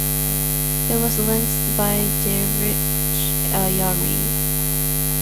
It was lensed by Dariush Ayari.